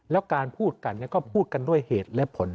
แล้วการพูดกันก็พูดกันด้วยเหตุและผล